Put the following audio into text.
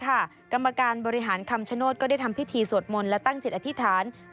กรรมการบริหารคำชโนธก็ได้ทำพิธีสวดมนต์และตั้งจิตอธิษฐาน